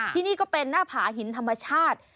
ที่นี่ก็เป็นหน้าผาหินธรรมชาติ